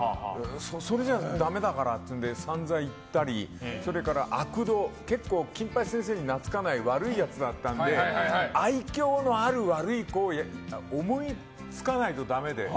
それじゃダメだからっていうので散々言ったりそれから悪童結構、金八先生になつかない悪いやつだったんで愛嬌のある悪い子を思いつかないとダメで。